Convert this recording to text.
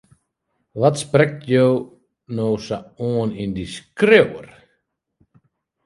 Wat sprekt jo no sa oan yn dy skriuwer?